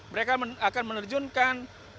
mereka akan menerjunkan petugas